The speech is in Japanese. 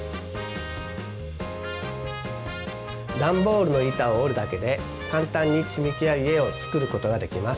ダンボールの板を折るだけで簡単につみきや家を作ることができます。